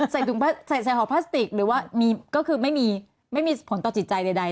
ใส่หอพลาสติกก็คือไม่มีผลตอบจิตใจใด